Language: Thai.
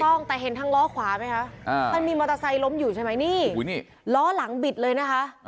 ต้องแต่เห็นทางล้อขวาไหมคะมันมีมอเตอร์ไซค์ล้มอยู่ใช่ไหมนี่ล้อหลังบิดเลยนะคะ